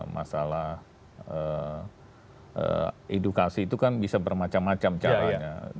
masalah edukasi itu kan bisa bermacam macam caranya